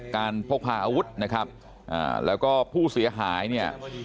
พกพาอาวุธนะครับแล้วก็ผู้เสียหายเนี่ย